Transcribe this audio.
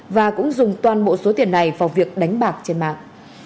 và cũng dùng toàn bộ số tiền này vào việc đánh bạc trên mạng